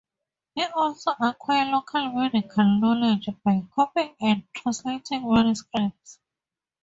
He also acquired local medical knowledge by copying and translating manuscripts.